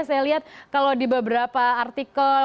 saya lihat kalau di beberapa artikel